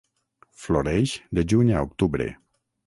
Floreix de juny a octubre.